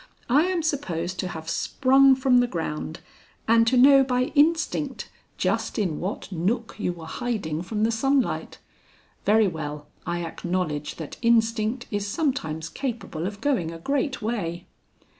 I am supposed to have sprung from the ground, and to know by instinct, just in what nook you were hiding from the sunlight. Very well. I acknowledge that instinct is sometimes capable of going a great way."